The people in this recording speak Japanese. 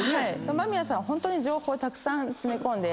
間宮さんはホントに情報たくさん詰め込んで。